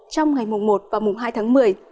trong ngày một và hai tháng một mươi